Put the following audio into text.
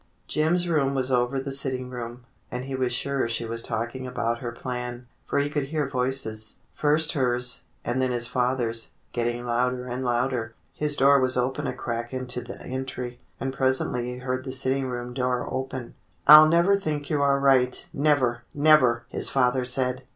Jim's room was over the sitting room, and he was sure she was talking about her plan, for he could hear voices, first hers, and then his father's, getting louder and louder. His door was open a crack into the THE LETTER FROM FRANCE 131 entry, and presently he heard the sitting room door open. ! "I'll never think you are right, never, never!" his father said.